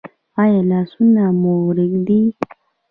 ایا لاسونه مو ریږدي؟